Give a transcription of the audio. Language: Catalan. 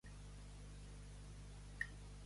De la merda en fan campanes.